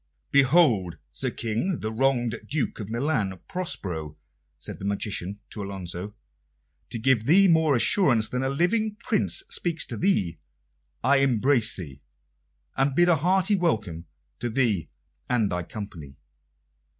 "Behold, Sir King, the wronged Duke of Milan, Prospero," said the magician to Alonso. "To give thee more assurance that a living Prince speaks to thee, I embrace thee, and bid a hearty welcome to thee and thy company."